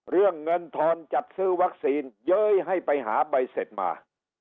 เรื่องเงินทอนจัดซื้อวัคซีนเย้ยให้ไปหาใบเสร็จมา